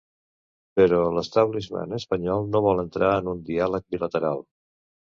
Però l’establishment espanyol no vol entrar en un diàleg bilateral.